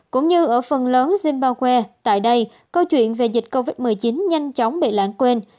cũng như ở phần lớn zimbawe tại đây câu chuyện về dịch covid một mươi chín nhanh chóng bị lãng quên